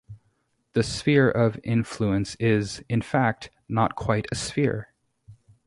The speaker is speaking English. The Sphere of influence is, in fact, not quite a sphere.